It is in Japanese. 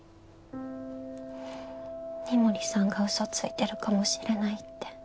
三森さんがウソついてるかもしれないって。